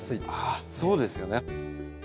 ああそうですよね。